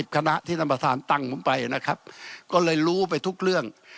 คณะที่ท่านประธานตั้งผมไปนะครับก็เลยรู้ไปทุกเรื่อง